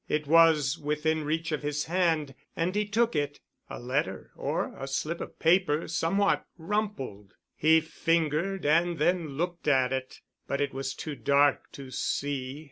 It was within reach of his hand and he took it—a letter or a slip of paper somewhat rumpled. He fingered and then looked at it, but it was too dark to see.